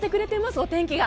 お天気が。